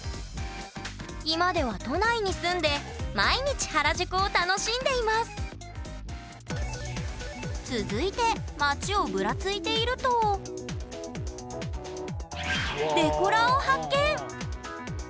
今では都内に住んで毎日原宿を楽しんでいます続いて街をブラついているとデコラーを発見！